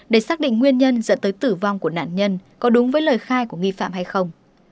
để xác định nguyên nhân dẫn tới tử vong của nạn nhân có đúng với lời khai của nghi phạm hay không